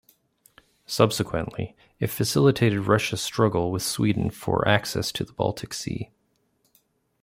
Subsequently, it facilitated Russia's struggle with Sweden for access to the Baltic Sea.